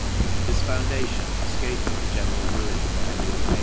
This foundation, efcaping the general ruin under 'Henry VIII.